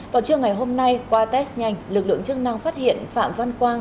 vào trưa ngày hôm nay qua test nhanh lực lượng chức năng phát hiện phạm văn quang